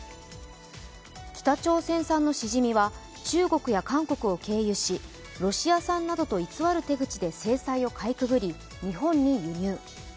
北朝鮮産のしじみは中国や韓国を経由しロシア産などと偽る手口で制裁をかいくぐり日本に輸入。